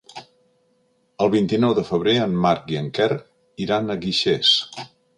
El vint-i-nou de febrer en Marc i en Quer iran a Guixers.